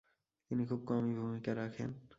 তিনি খুব কমই ভূমিকা রাখেন।